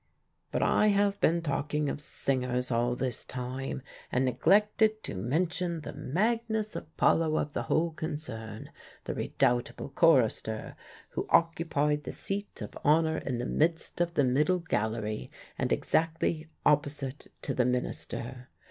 But I have been talking of singers all this time, and neglected to mention the Magnus Apollo of the whole concern, the redoubtable chorister, who occupied the seat of honor in the midst of the middle gallery, and exactly opposite to the minister.